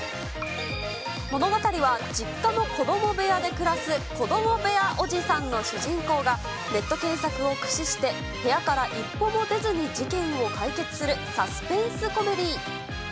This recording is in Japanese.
物語は、実家の子ども部屋で暮らす子供部屋おじさんの主人公が、ネット検索を駆使して、部屋から一歩も出ずに、事件を解決するサスペンスコメディー。